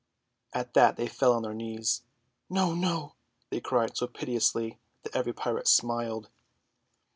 At that they fell on their knees. "No, no!" they cried so piteously that every pirate smiled.